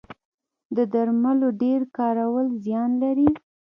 د درملو ډیر کارول زیان لري